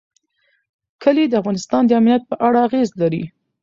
کلي د افغانستان د امنیت په اړه اغېز لري.